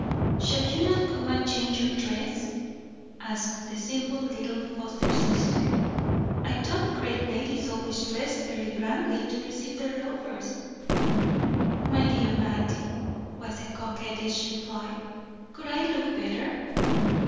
"Shall you not go and change your dress?" asked the simple little foster sister. "I thought great ladies always dressed very grandly to receive their lovers." "My dear Mattie," was the coquettish reply, "could I look better?"